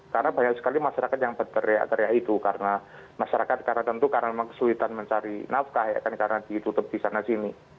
karena banyak sekali masyarakat yang berteriak teriak itu karena masyarakat karena tentu karena kesulitan mencari nafkah ya kan karena ditutup di sana sini